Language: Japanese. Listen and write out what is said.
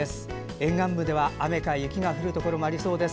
沿岸部では雨か雪が降るところもありそうです。